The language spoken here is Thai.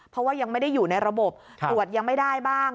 เพราะว่ายังไม่ได้อยู่ในระบบตรวจยังไม่ได้บ้าง